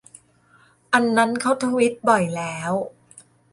อันนั้นเขาทวิตบ่อยแล้ว